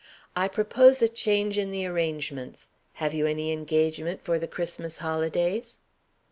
I propose a change in the arrangements. Have you any engagement for the Christmas holidays?"